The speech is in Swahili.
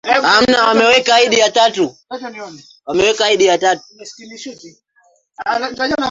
vitengo vya jeshi vina kazi kubwa ya kutunza usalama wa nchi